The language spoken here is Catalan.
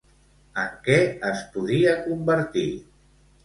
En què es podia convertir?